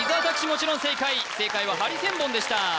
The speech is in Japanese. もちろん正解正解はハリセンボンでした・